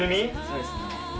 そうですね。